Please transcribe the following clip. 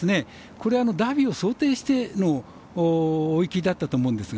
これはダービーを想定しての追い切りだったと思うんですが。